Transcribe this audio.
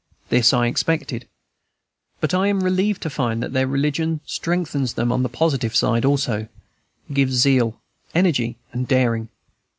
This I expected; but I am relieved to find that their religion strengthens them on the positive side also, gives zeal, energy, daring.